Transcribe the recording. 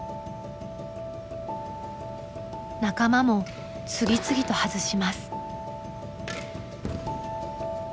仲間も次々と外します。